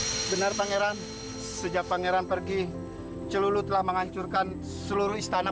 benar pangeran sejak pangeran pergi celulu telah menghancurkan seluruh istana